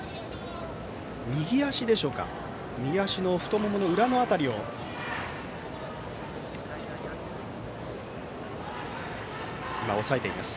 右足でしょうか右足の太ももの裏の辺りを押さえています。